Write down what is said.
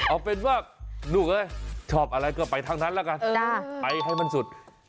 เอาเป็นว่าลูกชอบอะไรก็ไปทั้งนั้นละกันไปให้มันสุด